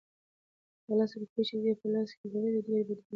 هغه لس روپۍ چې ده په لاس کې لرلې ډېرې بدبویه شوې وې.